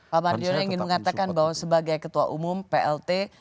pak mardiono ingin mengatakan bahwa sebagai ketua umum plt